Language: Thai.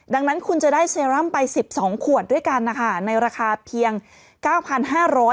ดังนั้นคุณจะได้เซรั่มไป๑๒ขวดด้วยกันนะคะในราคาเพียง๙๕๐๐บาท